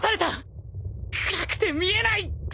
暗くて見えないくそ！